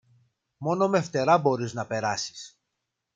Μόνο με φτερά μπορείς να περάσεις.